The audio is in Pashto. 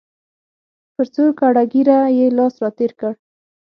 پر څوکړه ږیره یې لاس را تېر کړ.